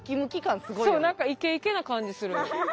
何かイケイケな感じする。